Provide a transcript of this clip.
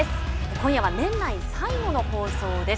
今夜は年内最後の放送です。